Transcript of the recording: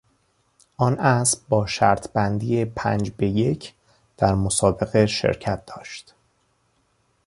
آن اسب با شرط بندی پنج به یک در مسابقه شرکت داشت.